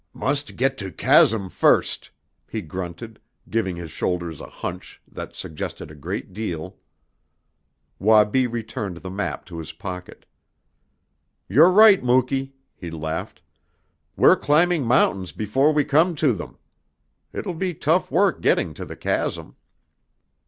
"Must get to chasm first," he grunted, giving his shoulders a hunch that suggested a great deal. Wabi returned the map to his pocket. "You're right, Muky," he laughed. "We're climbing mountains before we come to them. It will be tough work getting to the chasm."